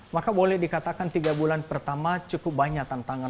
maka boleh dikatakan tiga bulan pertama cukup banyak tantangan